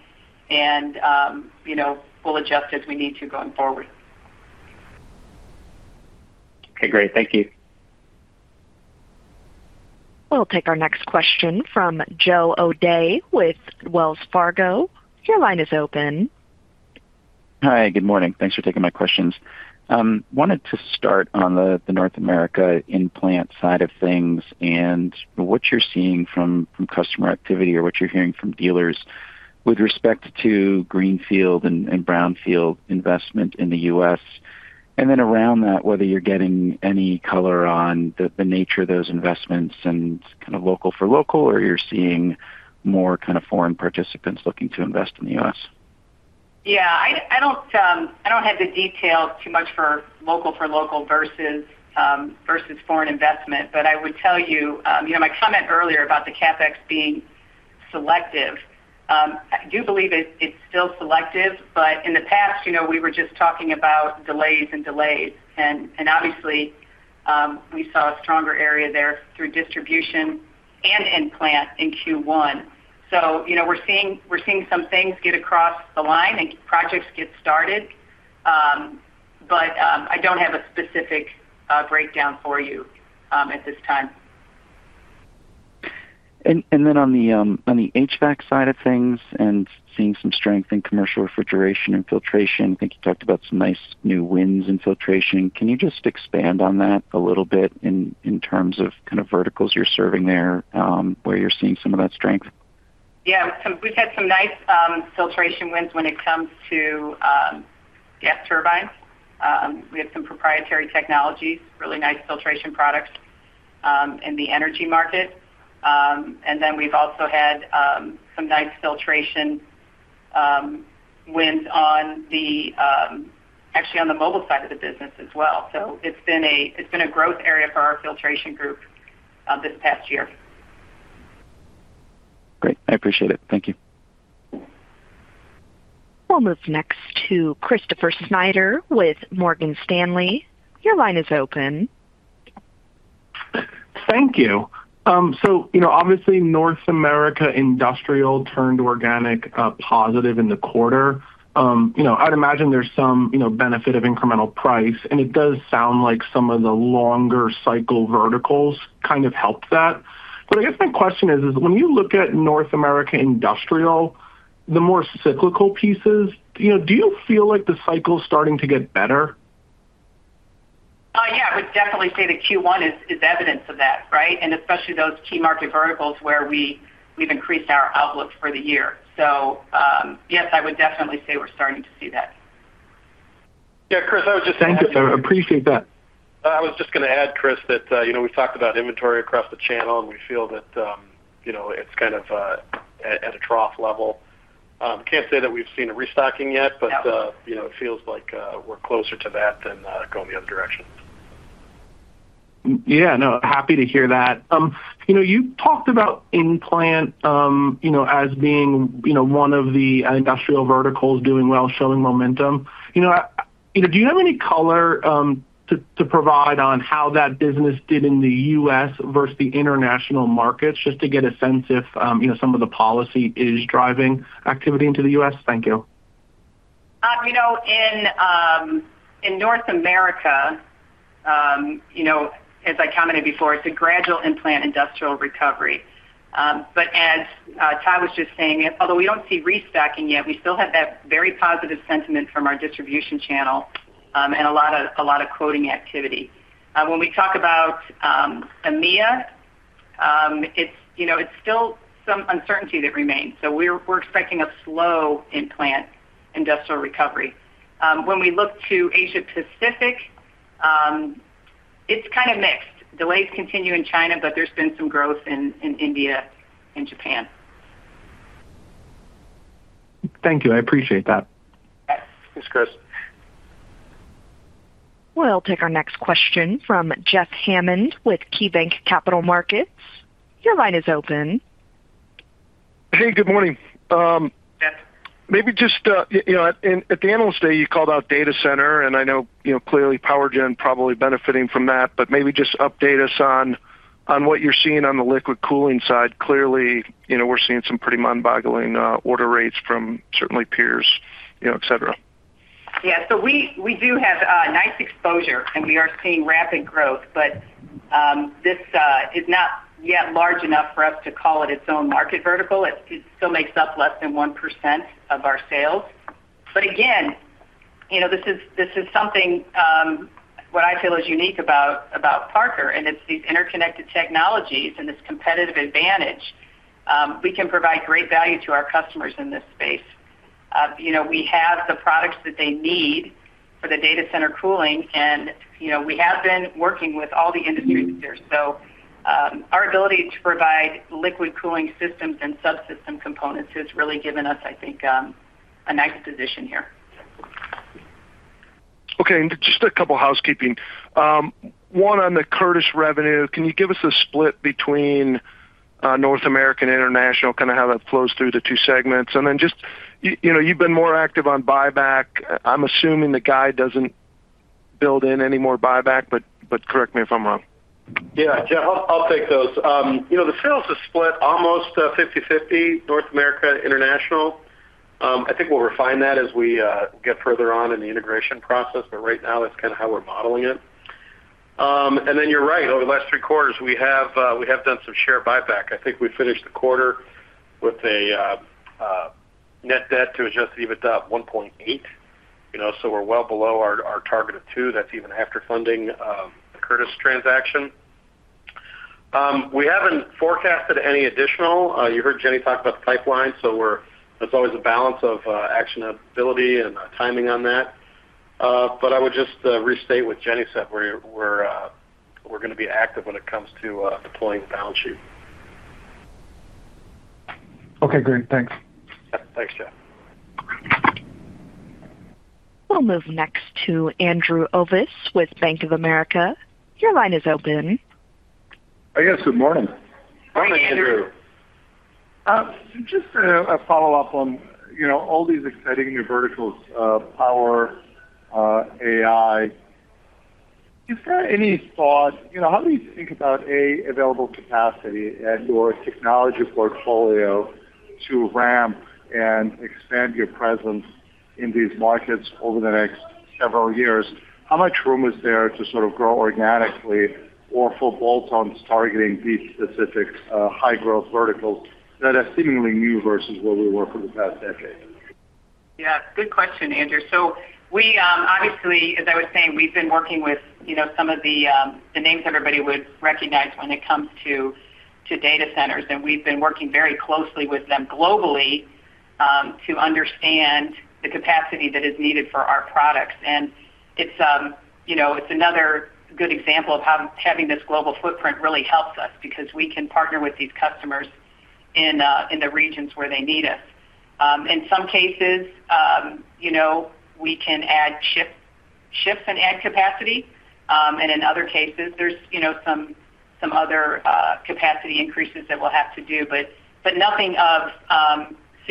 Speaker 3: We'll adjust as we need to going forward.
Speaker 10: Okay. Great. Thank you.
Speaker 1: We'll take our next question from Joe O'Dea with Wells Fargo. Your line is open.
Speaker 11: Hi. Good morning. Thanks for taking my questions. I wanted to start on the North America in-plant side of things and what you're seeing from customer activity or what you're hearing from dealers with respect to greenfield and brownfield investment in the U.S. And then around that, whether you're getting any color on the nature of those investments and kind of local for local, or you're seeing more kind of foreign participants looking to invest in the U.S.
Speaker 3: Yeah. I do not have the details too much for local versus foreign investment. I would tell you my comment earlier about the CapEx being selective. I do believe it is still selective. In the past, we were just talking about delays and delays. Obviously, we saw a stronger area there through distribution and in-plant in Q1. We are seeing some things get across the line and projects get started. I do not have a specific breakdown for you at this time.
Speaker 11: On the HVAC side of things and seeing some strength in commercial refrigeration and filtration, I think you talked about some nice new wins in filtration. Can you just expand on that a little bit in terms of kind of verticals you're serving there where you're seeing some of that strength?
Speaker 3: Yeah. We've had some nice filtration wins when it comes to gas turbines. We have some proprietary technologies, really nice filtration products in the energy market. Then we've also had some nice filtration wins on the, actually on the mobile side of the business as well. It's been a growth area for our filtration group this past year.
Speaker 11: Great. I appreciate it. Thank you.
Speaker 1: We'll move next to Christopher Snyder with Morgan Stanley. Your line is open.
Speaker 12: Thank you. Obviously, North America industrial turned organic positive in the quarter. I'd imagine there's some benefit of incremental price. It does sound like some of the longer cycle verticals kind of helped that. I guess my question is, when you look at North America industrial, the more cyclical pieces, do you feel like the cycle is starting to get better?
Speaker 3: Yeah. I would definitely say that Q1 is evidence of that, right? Especially those key market verticals where we've increased our outlook for the year. Yes, I would definitely say we're starting to see that.
Speaker 2: Yeah. Chris, I was just saying that.
Speaker 12: Thank you. I appreciate that.
Speaker 2: I was just going to add, Chris, that we've talked about inventory across the channel, and we feel that it's kind of at a trough level. Can't say that we've seen a restocking yet, but it feels like we're closer to that than going the other direction.
Speaker 12: Yeah. No, happy to hear that. You talked about in-plant as being one of the industrial verticals doing well, showing momentum. Do you have any color to provide on how that business did in the U.S. versus the international markets, just to get a sense if some of the policy is driving activity into the U.S.? Thank you.
Speaker 3: In North America, as I commented before, it's a gradual in-plant industrial recovery. As Todd was just saying, although we don't see restocking yet, we still have that very positive sentiment from our distribution channel and a lot of quoting activity. When we talk about EMEA, it's still some uncertainty that remains. We are expecting a slow in-plant industrial recovery. When we look to Asia-Pacific, it's kind of mixed. Delays continue in China, but there's been some growth in India and Japan.
Speaker 12: Thank you. I appreciate that.
Speaker 2: Thanks, Chris.
Speaker 1: We'll take our next question from Jeff Hammond with KeyBanc Capital Markets. Your line is open.
Speaker 13: Hey, good morning.
Speaker 3: Yes.
Speaker 13: Maybe just. At the analyst day, you called out data center, and I know clearly PowerGen probably benefiting from that. Maybe just update us on what you're seeing on the liquid cooling side. Clearly, we're seeing some pretty mind-boggling order rates from certainly peers, etc.
Speaker 3: Yeah. We do have nice exposure, and we are seeing rapid growth. This is not yet large enough for us to call it its own market vertical. It still makes up less than 1% of our sales. Again, this is something. What I feel is unique about Parker, and it is these interconnected technologies and this competitive advantage. We can provide great value to our customers in this space. We have the products that they need for the data center cooling, and we have been working with all the industries here. Our ability to provide liquid cooling systems and subsystem components has really given us, I think, a nice position here.
Speaker 13: Okay. Just a couple of housekeeping. One on the Curtis revenue. Can you give us a split between North America and international, kind of how that flows through the two segments? You have been more active on buyback. I'm assuming the guide does not build in any more buyback, but correct me if I'm wrong.
Speaker 2: Yeah. Jeff, I'll take those. The sales is split almost 50/50, North America and international. I think we'll refine that as we get further on in the integration process. Right now, that's kind of how we're modeling it. You're right. Over the last three quarters, we have done some share buyback. I think we finished the quarter with a net debt to adjusted EBITDA of 1.8. We're well below our target of 2. That's even after funding the Curtis transaction. We haven't forecasted any additional. You heard Jenny talk about the pipeline. That's always a balance of actionability and timing on that. I would just restate what Jenny said. We're going to be active when it comes to deploying the balance sheet.
Speaker 13: Okay. Great. Thanks.
Speaker 2: Yeah. Thanks, Jeff.
Speaker 1: We'll move next to Andrew Ross with Bank of America. Your line is open.
Speaker 14: Hi, guys. Good morning.
Speaker 2: Good morning, Andrew.
Speaker 14: Just a follow-up on all these exciting new verticals, power, AI. Is there any thought? How do you think about, A, available capacity and/or technology portfolio to ramp and expand your presence in these markets over the next several years? How much room is there to sort of grow organically or full bolt-ons targeting these specific high-growth verticals that are seemingly new versus where we were for the past decade?
Speaker 3: Yeah. Good question, Andrew. Obviously, as I was saying, we've been working with some of the names everybody would recognize when it comes to data centers. We've been working very closely with them globally to understand the capacity that is needed for our products. It's another good example of how having this global footprint really helps us because we can partner with these customers in the regions where they need us. In some cases, we can add shifts and add capacity. In other cases, there are some other capacity increases that we'll have to do, but nothing of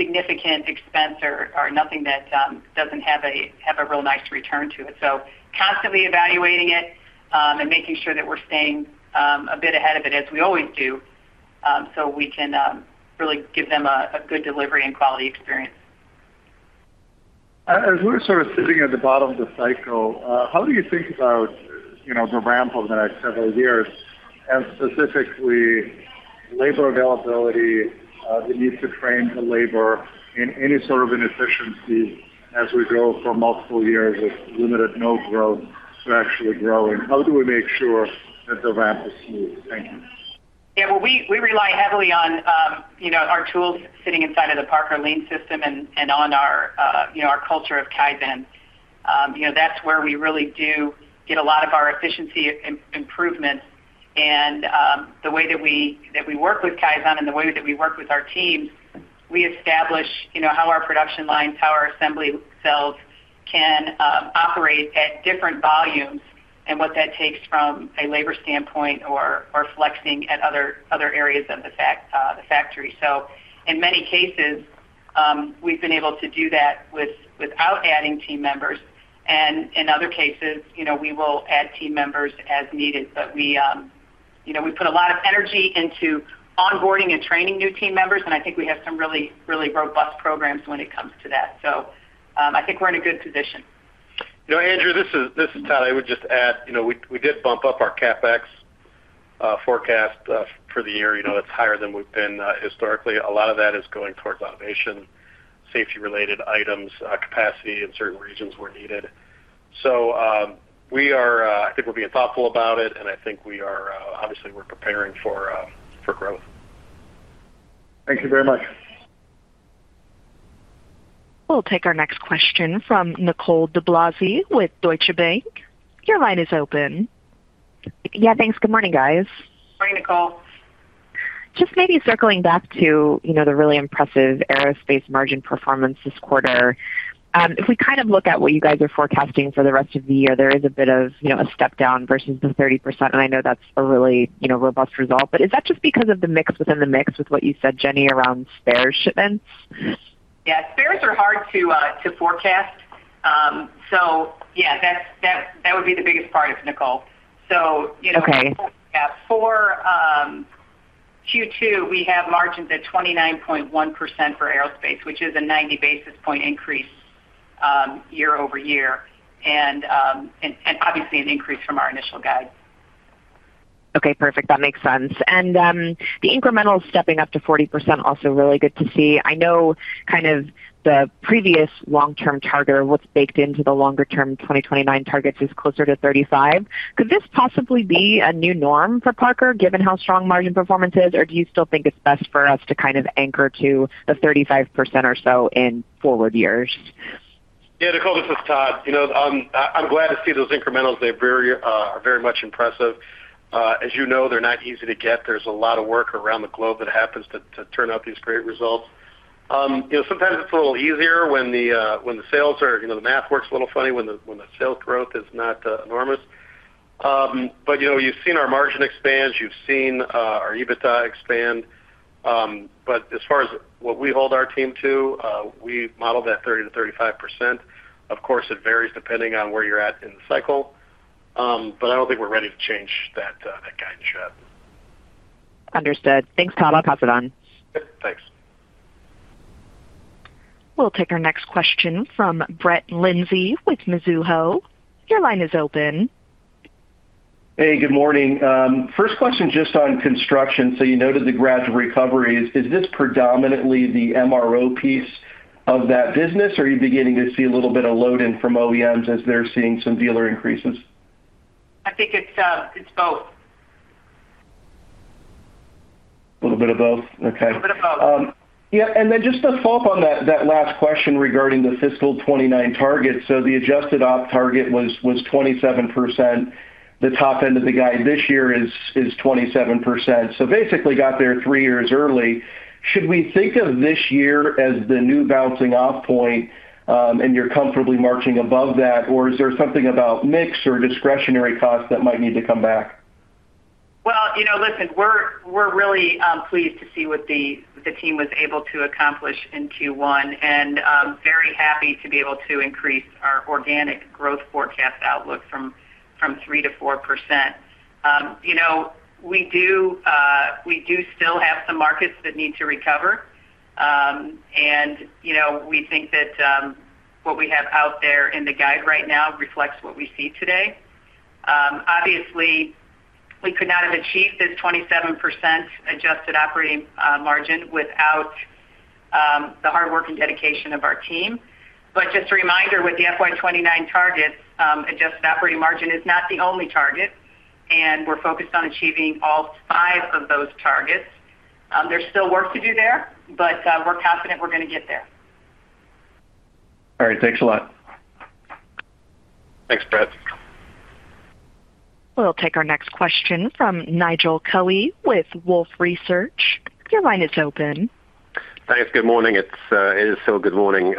Speaker 3: significant expense or nothing that does not have a real nice return to it. Constantly evaluating it and making sure that we're staying a bit ahead of it, as we always do, so we can really give them a good delivery and quality experience.
Speaker 14: As we're sort of sitting at the bottom of the cycle, how do you think about the ramp over the next several years, and specifically labor availability, the need to train the labor, and any sort of inefficiency as we go from multiple years of limited no-growth to actually growing? How do we make sure that the ramp is smooth? Thank you.
Speaker 3: Yeah. We rely heavily on our tools sitting inside of the Parker Lean system and on our culture of Kaizen. That's where we really do get a lot of our efficiency improvements. The way that we work with Kaizen and the way that we work with our teams, we establish how our production line, power assembly cells can operate at different volumes and what that takes from a labor standpoint or flexing at other areas of the factory. In many cases, we've been able to do that without adding team members. In other cases, we will add team members as needed. We put a lot of energy into onboarding and training new team members. I think we have some really, really robust programs when it comes to that. I think we're in a good position.
Speaker 2: Andrew, this is Todd, I would just add we did bump up our CapEx forecast for the year. That's higher than we've been historically. A lot of that is going towards automation, safety-related items, capacity in certain regions where needed. I think we're being thoughtful about it. I think obviously we're preparing for growth.
Speaker 14: Thank you very much.
Speaker 1: We'll take our next question from Nicole DiBlasi with Deutsche Bank. Your line is open.
Speaker 15: Yeah. Thanks. Good morning, guys.
Speaker 3: Morning, Nicole.
Speaker 15: Just maybe circling back to the really impressive aerospace margin performance this quarter. If we kind of look at what you guys are forecasting for the rest of the year, there is a bit of a step down versus the 30%. I know that's a really robust result. Is that just because of the mix within the mix with what you said, Jenny, around spare shipments?
Speaker 3: Yeah. Spares are hard to forecast. Yeah, that would be the biggest part of Nicole.
Speaker 15: Okay.
Speaker 3: For Q2, we have margins at 29.1% for aerospace, which is a 90 basis point increase year over year. Obviously an increase from our initial guide.
Speaker 15: Okay. Perfect. That makes sense. The incremental stepping up to 40% also really good to see. I know kind of the previous long-term target, what is baked into the longer-term 2029 targets is closer to 35%. Could this possibly be a new norm for Parker given how strong margin performance is? Or do you still think it is best for us to kind of anchor to the 35% or so in forward years?
Speaker 2: Yeah. Nicole, this is Todd. I'm glad to see those incrementals. They're very much impressive. As you know, they're not easy to get. There's a lot of work around the globe that happens to turn out these great results. Sometimes it's a little easier when the sales are the math works a little funny when the sales growth is not enormous. But you've seen our margin expand. You've seen our EBITDA expand. As far as what we hold our team to, we model that 30-35%. Of course, it varies depending on where you're at in the cycle. I don't think we're ready to change that guidance yet.
Speaker 15: Understood. Thanks, Todd. I'll pass it on.
Speaker 2: Thanks.
Speaker 1: We'll take our next question from Brett Lindsey with Mizuho. Your line is open.
Speaker 16: Hey, good morning. First question just on construction. You noted the gradual recovery. Is this predominantly the MRO piece of that business? Or are you beginning to see a little bit of load in from OEMs as they're seeing some dealer increases?
Speaker 3: I think it's both.
Speaker 16: A little bit of both? Okay.
Speaker 3: A little bit of both.
Speaker 16: Yeah. And then just a follow-up on that last question regarding the fiscal 2029 target. So the adjusted op target was 27%. The top end of the guide this year is 27%. So basically got there three years early. Should we think of this year as the new bouncing-off point and you're comfortably marching above that? Or is there something about mix or discretionary costs that might need to come back?
Speaker 3: We're really pleased to see what the team was able to accomplish in Q1 and very happy to be able to increase our organic growth forecast outlook from 3-4%. We do still have some markets that need to recover. We think that what we have out there in the guide right now reflects what we see today. Obviously, we could not have achieved this 27% adjusted operating margin without the hard work and dedication of our team. Just a reminder, with the FY2029 targets, adjusted operating margin is not the only target, and we're focused on achieving all five of those targets. There's still work to do there, but we're confident we're going to get there.
Speaker 16: All right. Thanks a lot.
Speaker 2: Thanks, Brett.
Speaker 1: We'll take our next question from Nigel Kelly with Wolfe Research. Your line is open.
Speaker 17: Thanks. Good morning. It is still good morning.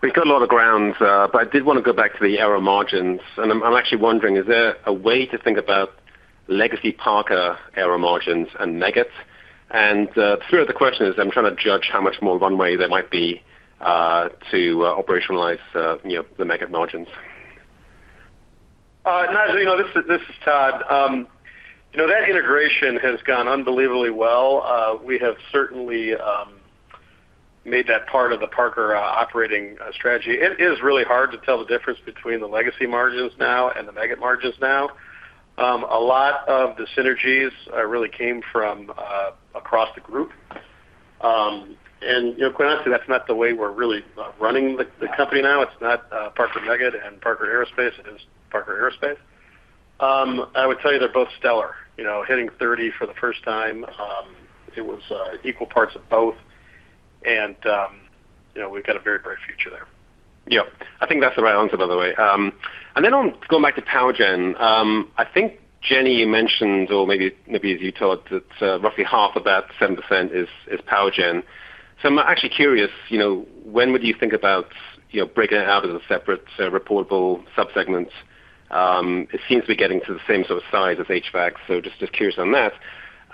Speaker 17: We've got a lot of ground, but I did want to go back to the aero margins. I'm actually wondering, is there a way to think about legacy Parker aero margins and Meggitt? The spirit of the question is I'm trying to judge how much more runway there might be to operationalize the Meggitt margins.
Speaker 2: Nigel, this is Todd. That integration has gone unbelievably well. We have certainly made that part of the Parker operating strategy. It is really hard to tell the difference between the legacy margins now and the Meggitt margins now. A lot of the synergies really came from across the group. Quite honestly, that's not the way we're really running the company now. It's not Parker Meggitt and Parker Aerospace. It is Parker Aerospace. I would tell you they're both stellar. Hitting 30 for the first time, it was equal parts of both. We've got a very bright future there.
Speaker 17: Yeah. I think that's the right answer, by the way. Going back to PowerGen, I think Jenny mentioned, or maybe it's you, Todd, that roughly half of that 7% is PowerGen. I'm actually curious, when would you think about breaking it out as a separate reportable subsegment? It seems to be getting to the same sort of size as HVAC, so just curious on that.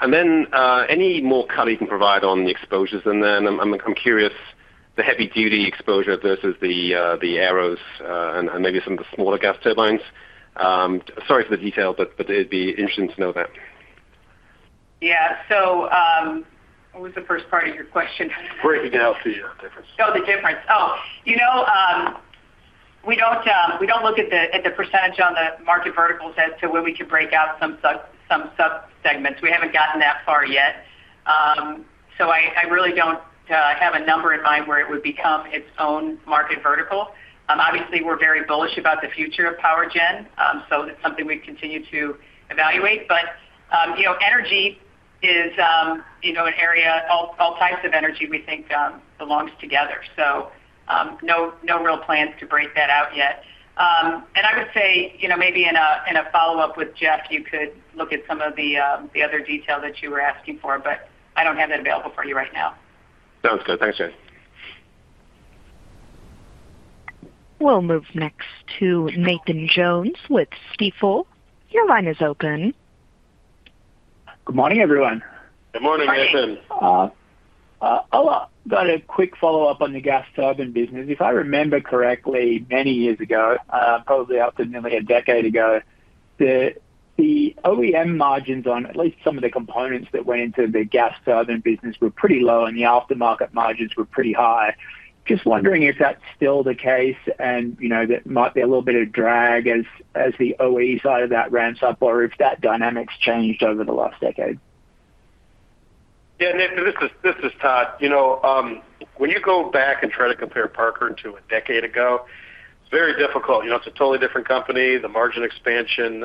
Speaker 17: Any more color you can provide on the exposures? I'm curious, the heavy-duty exposure versus the aero and maybe some of the smaller gas turbines. Sorry for the detail, but it'd be interesting to know that.
Speaker 3: Yeah. What was the first part of your question?
Speaker 2: Breaking out the difference.
Speaker 3: Oh, the difference. We do not look at the percentage on the market verticals as to where we can break out some subsegments. We have not gotten that far yet. I really do not have a number in mind where it would become its own market vertical. Obviously, we are very bullish about the future of PowerGen, so it is something we continue to evaluate. Energy is an area; all types of energy we think belong together. No real plans to break that out yet. I would say maybe in a follow-up with Jeff, you could look at some of the other detail that you were asking for, but I do not have that available for you right now.
Speaker 17: Sounds good. Thanks, Jen.
Speaker 1: We'll move next to Nathan Jones with Stifel. Your line is open.
Speaker 18: Good morning, everyone.
Speaker 2: Good morning, Nathan.
Speaker 18: Hello. Got a quick follow-up on the gas turbine business. If I remember correctly, many years ago, probably up to nearly a decade ago, the OEM margins on at least some of the components that went into the gas turbine business were pretty low, and the aftermarket margins were pretty high. Just wondering if that's still the case and there might be a little bit of drag as the OEM side of that ramps up or if that dynamic's changed over the last decade.
Speaker 2: Yeah. Nathan, this is Todd. When you go back and try to compare Parker to a decade ago, it's very difficult. It's a totally different company. The margin expansion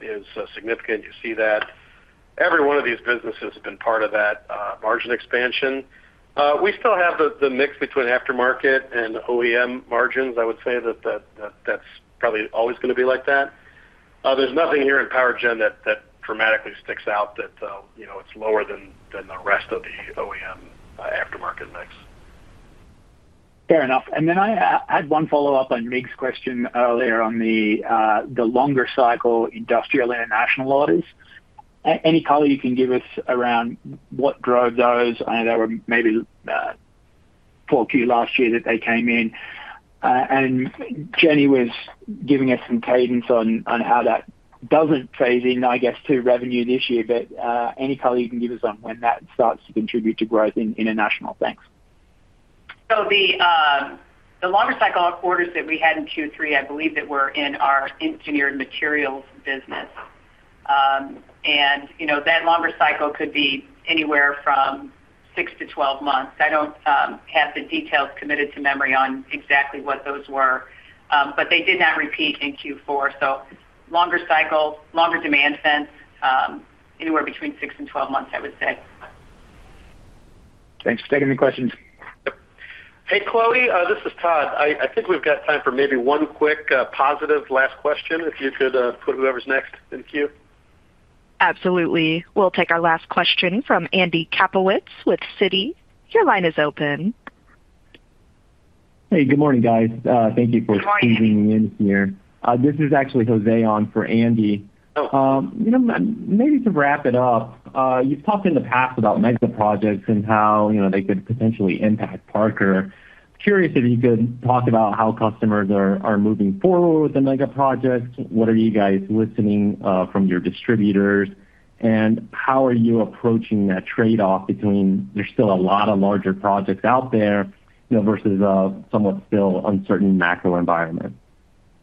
Speaker 2: is significant. You see that. Every one of these businesses has been part of that margin expansion. We still have the mix between aftermarket and OEM margins. I would say that that's probably always going to be like that. There's nothing here in PowerGen that dramatically sticks out that it's lower than the rest of the OEM aftermarket mix.
Speaker 18: Fair enough. I had one follow-up on Nig's question earlier on the longer cycle industrial international orders. Any color you can give us around what drove those? I know there were maybe Q4 last year that they came in. Jenny was giving us some cadence on how that does not phase in, I guess, to revenue this year. Any color you can give us on when that starts to contribute to growth in international? Thanks.
Speaker 3: The longer cycle orders that we had in Q3, I believe that were in our engineered materials business. That longer cycle could be anywhere from 6-12 months. I do not have the details committed to memory on exactly what those were, but they did not repeat in Q4. Longer cycle, longer demand sense, anywhere between 6 and 12 months, I would say.
Speaker 18: Thanks. Taking any questions?
Speaker 2: Hey, Chloe, this is Todd. I think we've got time for maybe one quick positive last question if you could put whoever's next in the queue.
Speaker 1: Absolutely. We'll take our last question from Andy Kaplowitz with Citi. Your line is open.
Speaker 19: Hey, good morning, guys. Thank you for
Speaker 3: Good morning.
Speaker 19: squeezing me in here. This is actually Jose on for Andy. Maybe to wrap it up, you've talked in the past about mega projects and how they could potentially impact Parker. Curious if you could talk about how customers are moving forward with the mega projects. What are you guys listening from your distributors? How are you approaching that trade-off between there's still a lot of larger projects out there versus a somewhat still uncertain macro environment?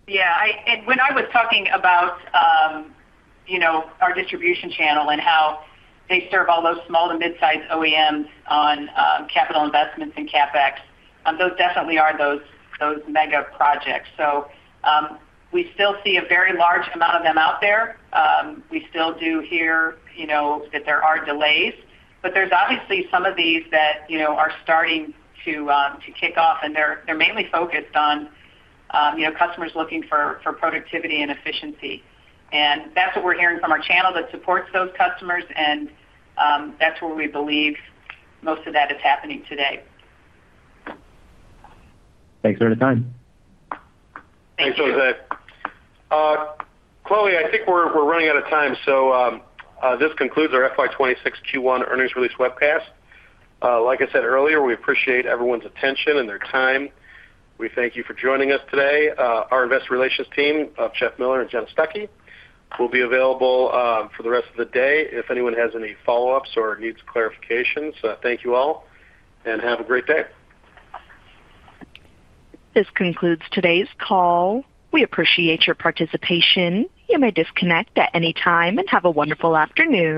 Speaker 3: Yeah. When I was talking about our distribution channel and how they serve all those small to mid-sized OEMs on capital investments and CapEx, those definitely are those mega projects. We still see a very large amount of them out there. We still do hear that there are delays. There are obviously some of these that are starting to kick off, and they're mainly focused on customers looking for productivity and efficiency. That's what we're hearing from our channel that supports those customers. That's where we believe most of that is happening today.
Speaker 19: Thanks for the time.
Speaker 2: Thanks, Jose. Chloe, I think we're running out of time. This concludes our FY26 Q1 earnings release webcast. Like I said earlier, we appreciate everyone's attention and their time. We thank you for joining us today. Our investor relations team of Jeff Miller and Jenna Stuckey will be available for the rest of the day if anyone has any follow-ups or needs clarifications. Thank you all and have a great day.
Speaker 1: This concludes today's call. We appreciate your participation. You may disconnect at any time and have a wonderful afternoon.